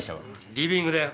リビングだよ。